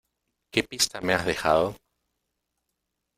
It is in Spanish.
¿Qué pista me has dejado?